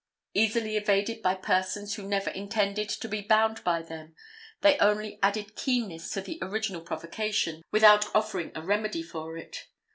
Easily evaded by persons who never intended to be bound by them, they only added keenness to the original provocation, without offering a remedy for it.